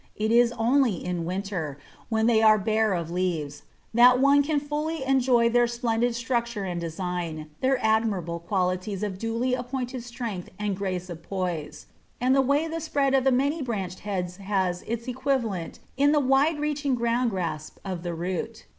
It is only in winter, when they are bare of leaves, that one can fully enjoy their splendid structure and design, their admirable qualities of duly apportioned strength and grace of poise, and the way the spread of the many branched head has its equivalent in the wide reaching ground grasp of the root.